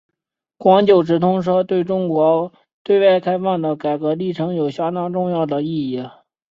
广九直通车对中国对外开放的改革历程有相当重要的意义。